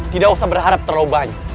tidak usah berharap terlalu banyak